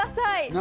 何？